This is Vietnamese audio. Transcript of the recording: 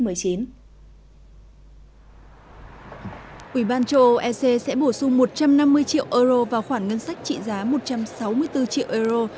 ủy ban châu âu ec sẽ bổ sung một trăm năm mươi triệu euro vào khoản ngân sách trị giá một trăm sáu mươi bốn triệu euro